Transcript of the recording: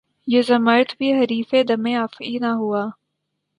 یہ زمّرد بھی حریفِ دمِ افعی نہ ہوا